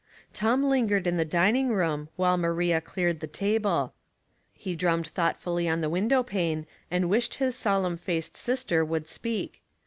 Tom lingered in the dining room, while Maria cleared the table. He drummed thoughtfully on the window pane and wished his solemn faced sister would speak.